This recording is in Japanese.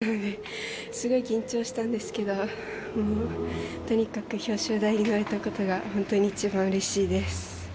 フランス大会と同じ状況だったのですごい緊張したんですけどとにかく表彰台に乗れたことが本当に一番うれしいです。